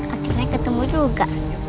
akhirnya ketemu juga